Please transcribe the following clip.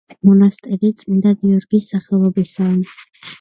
მონასტერი წმინდა გიორგის სახელობისაა.